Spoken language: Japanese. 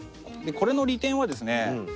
これの利点はですね